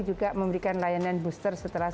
juga memberikan layanan booster setelah